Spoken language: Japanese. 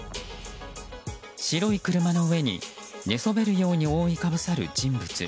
白い車の上に寝そべるように覆いかぶさる人物。